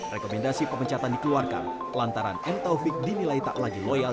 rekomendasi pemecatan dikeluarkan lantaran m taufik dinilai tak lagi loyal